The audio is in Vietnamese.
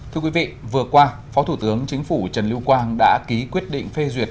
thưa quý vị vừa qua phó thủ tướng chính phủ trần lưu quang đã ký quyết định phê duyệt